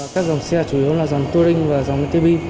các dòng xe chủ yếu là dòng touring và dòng tivi